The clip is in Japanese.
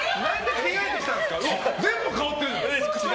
全部、変わってる！